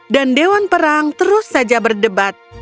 dewan perang terus saja berdebat